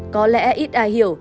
có lẽ ít ai hiểu